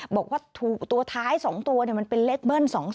บอกว่าถูกตัวท้าย๒ตัวมันเป็นเลขเบิ้ล๒๔